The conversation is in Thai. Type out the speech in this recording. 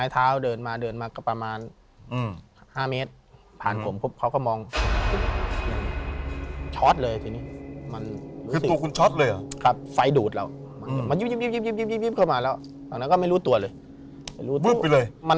เป็นอะไรของมึงวะ